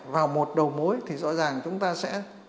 vào một đầu mối thì rõ ràng chúng ta sẽ